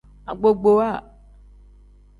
Agbogbowa.